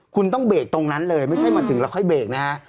คุณต้องเบรกตรงนั้นเลยไม่ใช่มาถึงแล้วค่อยเบรกนะฮะ